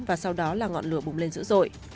và sau đó là ngọn lửa bùng lên dữ dội